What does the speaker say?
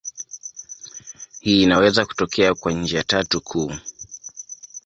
Hii inaweza kutokea kwa njia tatu kuu.